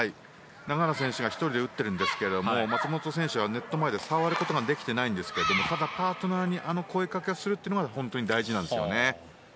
永原選手が１人で打ってるんですが松本選手はネット前で触ることができていないんですけどただパートナーにあの声掛けをするのが大事なんですね。